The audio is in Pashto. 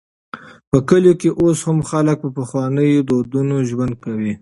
په کلیو کې اوس هم خلک په پخوانيو دودونو ژوند کوي.